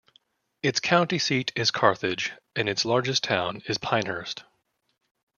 Its county seat is Carthage and its largest town is Pinehurst.